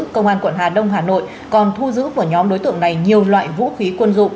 công an quận hà đông hà nội còn thu giữ của nhóm đối tượng này nhiều loại vũ khí quân dụng